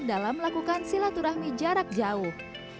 dalam melakukan silaturahmi jarak jauh